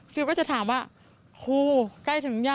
ก็จะถามว่าครูใกล้ถึงยัง